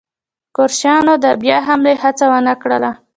کروشیایانو د بیا حملې هڅه ونه کړل.